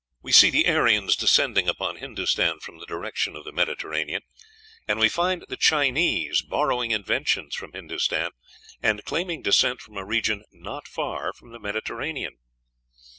We see the Aryans descending upon Hindostan from the direction of the Mediterranean; and we find the Chinese borrowing inventions from Hindostan, and claiming descent from a region not far from the Mediterranean.